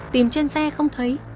tìm trên xe không thấy